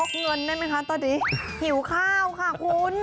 เงินได้ไหมคะตอนนี้หิวข้าวค่ะคุณ